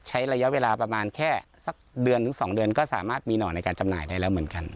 ใช้ระยะเวลาประมาณแค่สักเดือนถึง๒เดือนก็สามารถมีหน่อในการจำหน่ายได้แล้วเหมือนกัน